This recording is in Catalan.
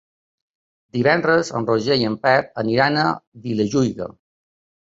Divendres en Roger i en Pep aniran a Vilajuïga.